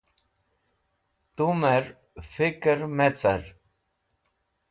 Tumẽr fikẽr me car.